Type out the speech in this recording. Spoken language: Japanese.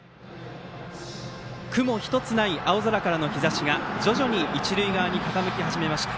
雲１つない青空からの日ざしが徐々に一塁側に傾き始めました。